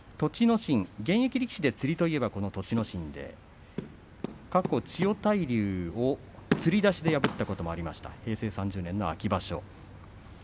心は現役力士でつりといえばこの栃ノ心で過去千代大龍をつり出しで破ったこともありました、平成３０年の秋場所。